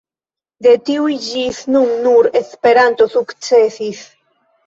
De tiuj ĝis nun nur Esperanto sukcesis.